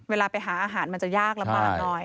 เวลาไปหาอาหารมันจะยากลำบากหน่อย